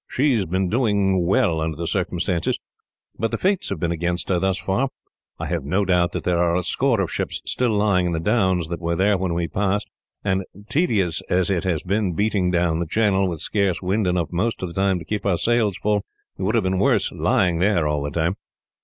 She has been doing well, under the circumstances, but the fates have been against her, thus far. I have no doubt there are a score of ships still lying in the Downs, that were there when we passed; and, tedious as it has been beating down the Channel, with scarce wind enough most of the time to keep our sails full, it would have been worse lying there, all the time."